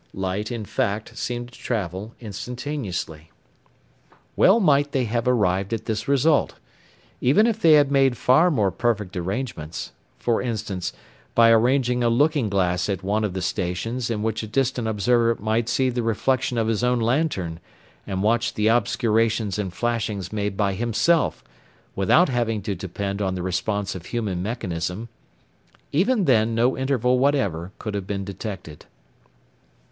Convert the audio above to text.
Light, in fact, seemed to travel instantaneously. Well might they have arrived at this result. Even if they had made far more perfect arrangements for instance, by arranging a looking glass at one of the stations in which a distant observer might see the reflection of his own lantern, and watch the obscurations and flashings made by himself, without having to depend on the response of human mechanism even then no interval whatever could have been detected.